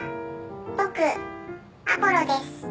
僕アポロです」